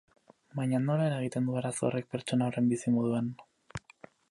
Baina nola eragiten du arazo horrek pertsona horren bizimoduan?